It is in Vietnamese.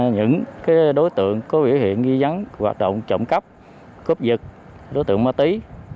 những đối tượng có biểu hiện ghi nhắn hoạt động trọng cấp cốp dịch đối tượng ma tí